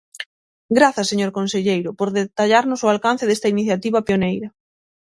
Grazas, señor conselleiro, por detallarnos o alcance desta iniciativa pioneira.